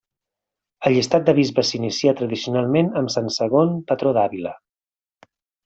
El llistat de bisbes s'inicia tradicionalment amb sant Segon, patró d'Àvila.